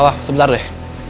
papa sebentar deh